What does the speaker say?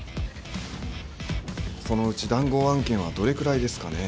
そのうち談合案件はどれくらいですかね？